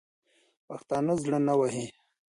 پښتانه زړه نه وهي.